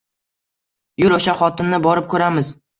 Yur, o`sha xotinni borib ko`ramiz